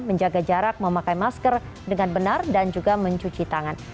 menjaga jarak memakai masker dengan benar dan juga mencuci tangan